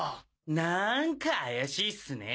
なんか怪しいっすね。